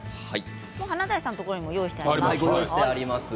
華大さんのところにもご用意してあります。